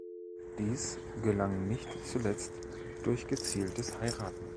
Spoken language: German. Dies gelang nicht zuletzt durch gezieltes Heiraten.